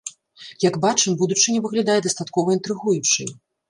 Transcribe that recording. Як бачым, будучыня выглядае дастаткова інтрыгуючай.